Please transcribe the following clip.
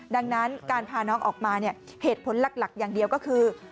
ดังนั้นการพาน้องออกมาเนี่ยเหตุผลหลักอย่างเดียวก็คือ